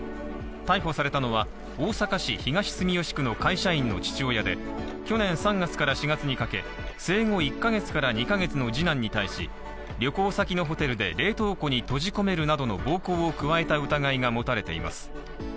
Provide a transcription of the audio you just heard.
逮捕されたのは、大阪市東住吉区の会社員の父親で、去年３月から４月にかけ、生後１ヶ月から２ヶ月の次男に対し、旅行先のホテルで、冷凍庫に閉じ込めるなどの暴行を加えた疑いが持たれています。